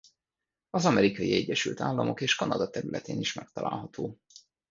Az Amerikai Egyesült Államok és Kanada területén is megtalálható.